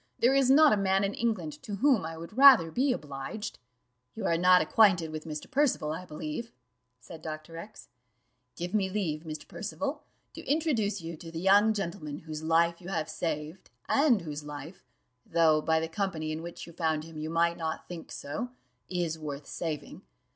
There is not a man in England to whom I would rather be obliged." "You are not acquainted with Mr. Percival, I believe," said Dr. X : "give me leave, Mr. Percival, to introduce to you the young gentleman whose life you have saved, and whose life though, by the company in which you found him, you might not think so is worth saving.